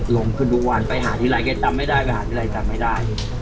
ลงขึ้นทุกวันไปหาที่ไรเค้าจำไม่ได้ไปหาที่ไรจำไม่ได้